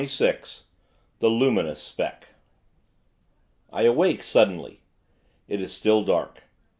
XXVI THE LUMINOUS SPECK I awake suddenly. It is still dark.